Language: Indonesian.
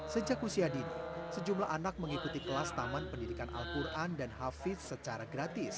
sejak usia dini sejumlah anak mengikuti kelas taman pendidikan alquran dan hafiz secara gratis